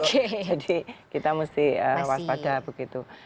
jadi kita mesti waspada begitu